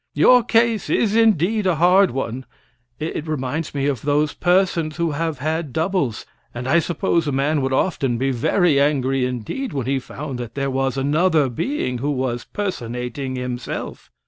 "Your case is indeed a hard one. It reminds me of those persons who have had doubles, and I suppose a man would often be very angry indeed when he found that there was another being who was personating himself."